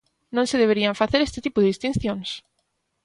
Non se deberían facer ese tipo de distincións!